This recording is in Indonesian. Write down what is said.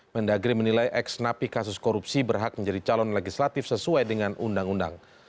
mendagri menilai ex napi kasus korupsi berhak menjadi calon legislatif sesuai dengan undang undang